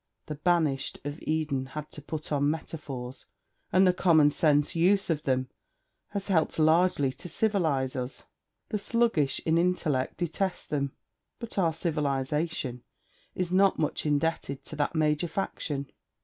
The banished of Eden had to put on metaphors, and the common use of them has helped largely to civilize us. The sluggish in intellect detest them, but our civilization is not much indebted to that major faction.